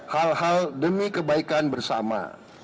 hal hal demi kebaikan bersama